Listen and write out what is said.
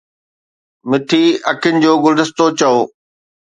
مٺي اکين جو گلدستو چئو